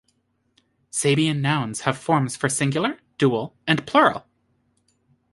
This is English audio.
Sabaean nouns have forms for singular, dual and plural.